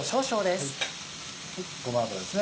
ごま油ですね